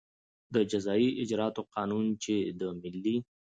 د جزایي اجراآتو قانون چې د ملي